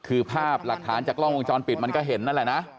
คือภาพหลักฐานจากกล้องวงจรปิดมันก็เห็นนั่นแหละนะ